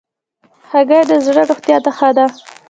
هګۍ د زړه روغتیا ته ښه ده.